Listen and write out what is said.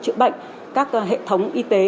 chữa bệnh các hệ thống y tế